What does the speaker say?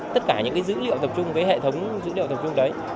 tất cả những dữ liệu tập trung với hệ thống dữ liệu tập trung đấy